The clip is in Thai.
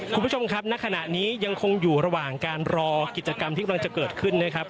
คุณผู้ชมครับณขณะนี้ยังคงอยู่ระหว่างการรอกิจกรรมที่กำลังจะเกิดขึ้นนะครับ